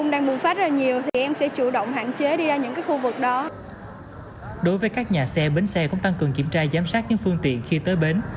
đối với các nhà xe bến xe cũng tăng cường kiểm tra giám sát những phương tiện khi tới bến